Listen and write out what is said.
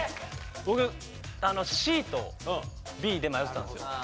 僕ＣとＢで迷ってたんですよ